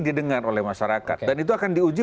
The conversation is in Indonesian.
didengar oleh masyarakat dan itu akan diuji